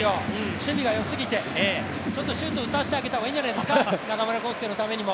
守備がよすぎて、ちょっとシュートを打たせてあげた方がいいんじゃないですか、中村航輔のためにも。